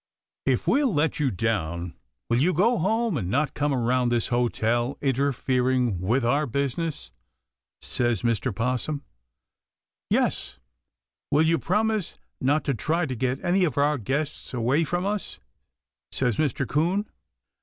"If we'll let you down will you go home and not come around this hotel interfering with our business?" says Mr. 'Possum. "Yes; will you promise not to try to get any of our guests away from us?" says Mr. 'Coon.